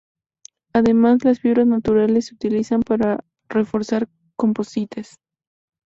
Además, las fibras naturales se utilizan para reforzar composites.